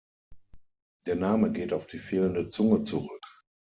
Der Name geht auf die fehlende Zunge zurück.